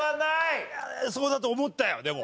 そうだと思ったよでも。